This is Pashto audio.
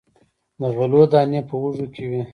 د غلو دانې په وږو کې وي.